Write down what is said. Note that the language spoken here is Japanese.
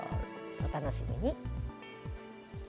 お楽しみに。